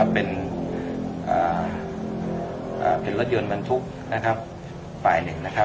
เป็นรถยนต์มันทุกข์ฝ่าย๑